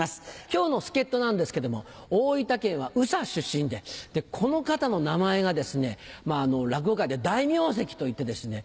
今日の助っ人なんですけども大分県は宇佐出身でこの方の名前がですね落語界では大名跡といってですね